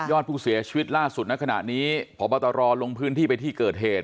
อดผู้เสียชีวิตล่าสุดในขณะนี้พบตรลงพื้นที่ไปที่เกิดเหตุ